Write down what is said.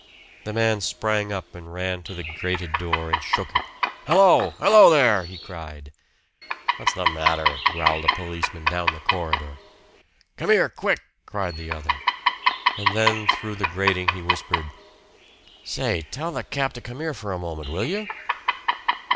The man sprang up and ran to the grated door and shook it. "Hello! Hello there!" he cried. "What's the matter?" growled a policeman down the corridor. "Come here! quick!" cried the other; and then through the grating he whispered, "Say, tell the cap to come here for a moment, will you?"